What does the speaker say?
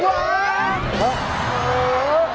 ฮะเออ